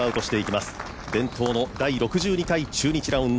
伝統の第６２回中日